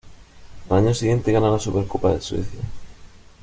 Al año siguiente gana la Supercopa de Suecia.